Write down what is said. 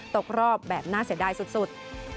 ตกรอบแบบน่าเสียดายสุด